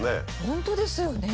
本当ですよね。